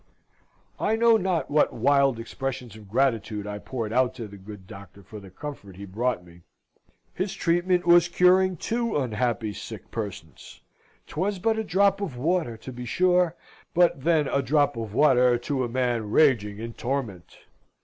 I know not what wild expressions of gratitude I poured out to the good doctor for the comfort he brought me. His treatment was curing two unhappy sick persons. 'Twas but a drop of water, to be sure; but then a drop of water to a man raging in torment.